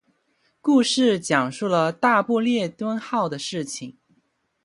故事讲述了大不列颠号的事情。